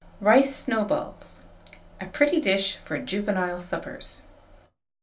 RICE SNOWBALLS. (A pretty dish for Juvenile Suppers.)